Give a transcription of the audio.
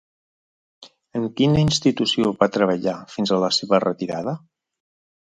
En quina institució va treballar fins a la seva retirada?